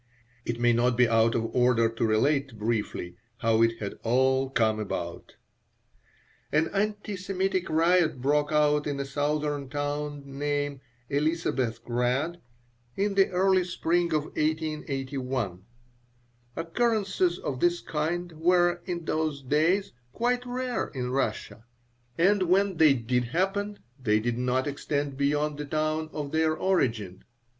It may not be out of order to relate, briefly. how it had all come about An anti Semitic riot broke out in a southern town named Elisabethgrad in the early spring of 1881. Occurrences of this kind were, in those days, quite rare in Russia, and when they did happen they did not extend beyond the town of their origin.